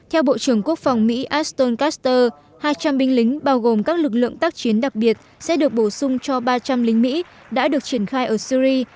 theo bộ trưởng quốc phòng mỹ aston kaster hai trăm linh binh lính bao gồm các lực lượng tác chiến đặc biệt sẽ được bổ sung cho ba trăm linh lính mỹ đã được triển khai ở syri